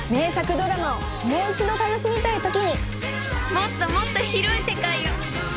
もっともっと広い世界を！